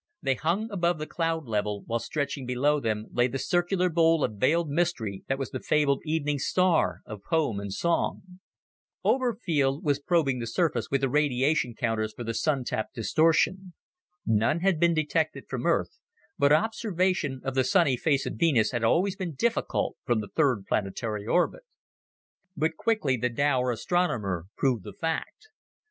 They hung above the cloud level, while stretching below them lay the circular bowl of veiled mystery that was the fabled evening star of poem and song. Oberfield was probing the surface with the radiation counters for the Sun tap distortion. None had been detected from Earth, but observation of the sunny face of Venus had always been difficult from the third planetary orbit. But quickly the dour astronomer proved the fact.